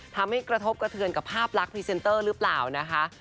กระทบกระเทือนกับภาพลักษณ์พรีเซนเตอร์หรือเปล่านะคะ